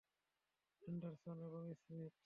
Anderson এবং Smith!